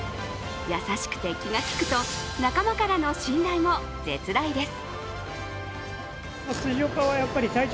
優しくて気が利くと、仲間からの信頼も絶大です。